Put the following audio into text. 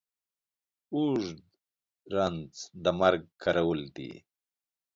اوږ د رنځ د مرگ کرول دي.